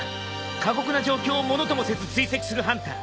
過酷な状況をものともせず追跡するハンター。